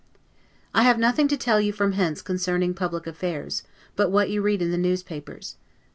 I have nothing to tell you from hence concerning public affairs, but what you read in the newspapers.